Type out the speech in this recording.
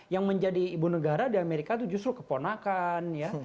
yang menjadi ibu negara di amerika itu justru keponakan ya